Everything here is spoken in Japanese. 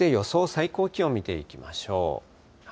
最高気温見ていきましょう。